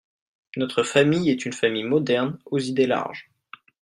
Notre famille est une famille moderne aux idées larges.